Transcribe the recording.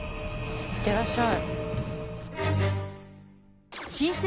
行ってらっしゃい。